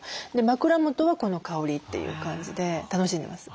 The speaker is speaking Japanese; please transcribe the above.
枕元はこの香りという感じで楽しんでます。